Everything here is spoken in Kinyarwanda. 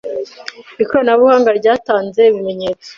ikoranabuhanga ryatanze ibimenyetso